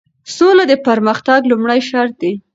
سوله د پرمختګ لومړی شرط دی.